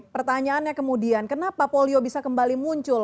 pertanyaannya kemudian kenapa polio bisa kembali muncul